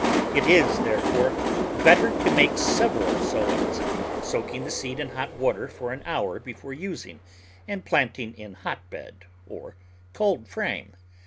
It is therefore better to make several sowings, soaking the seed in hot water for an hour before using, and planting in hotbed or cold frame.